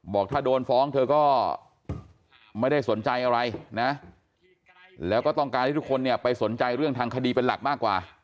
บอกถ้าโดนฟ้องเธอก็ไม่ได้สนใจอะไรนะแล้วก็ต้องการให้ทุกคนเนี่ยไปสนใจเรื่องทางคดีเป็นหลักมากกว่า